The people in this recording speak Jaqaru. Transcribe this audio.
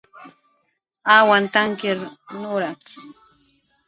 awantankir nura